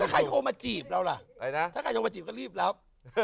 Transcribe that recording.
ใครโทรมาจีบเราล่ะถ้าใครโทรมาจีบก็รีบรับ